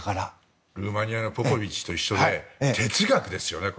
ルーマニアのポポビッチと一緒でこれ、哲学ですよね。